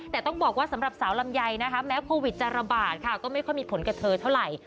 แต่ต้องบอกว่าสำหรับสาวลำไยนะคะแม้โควิดจะระบาดค่ะก็ไม่ค่อยมีผลกับเธอเท่าไหร่